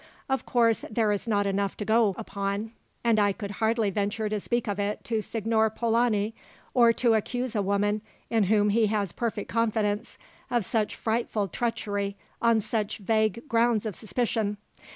Of course there is not enough to go upon; and I could hardly venture to speak of it to Signor Polani, or to accuse a woman, in whom he has perfect confidence, of such frightful treachery on such vague grounds of suspicion.